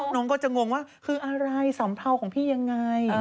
น้องก็จะงงว่าคืออะไรสัมเภาของพี่ยังไง